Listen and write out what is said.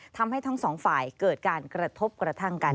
ทั้งสองฝ่ายเกิดการกระทบกระทั่งกัน